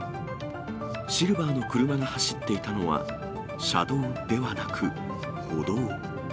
シルバーの車が走っていたのは車道ではなく、歩道。